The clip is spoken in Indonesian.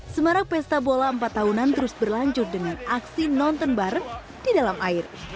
semarang pesta bola empat tahunan terus berlanjut dengan aksi nonton bareng di dalam air